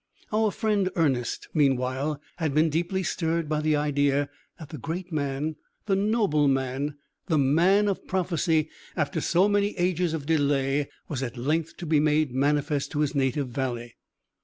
Our friend Ernest, meanwhile, had been deeply stirred by the idea that the great man, the noble man, the man of prophecy, after so many ages of delay, was at length to be made manifest to his native valley.